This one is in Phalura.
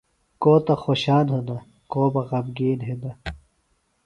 کو تہ خوشان ہِنہ کو بہ غمگِین ہِنہ۔